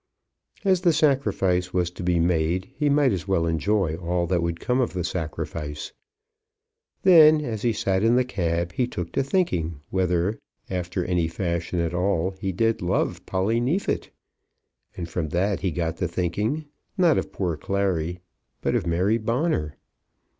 As the sacrifice was to be made he might as well enjoy all that would come of the sacrifice. Then as he sat in the cab he took to thinking whether, after any fashion at all, he did love Polly Neefit. And from that he got to thinking, not of poor Clary, but of Mary Bonner.